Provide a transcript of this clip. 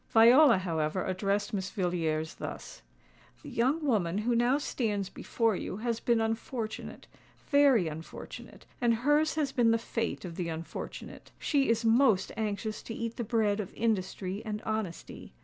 Viola, however, addressed Miss Villiers thus:—"The young woman who now stands before you has been unfortunate—very unfortunate; and hers has been the fate of the unfortunate. She is most anxious to eat the bread of industry and honesty.